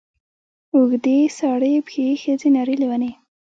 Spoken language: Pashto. اوږده ې سړې پښې ښځې نرې لېونې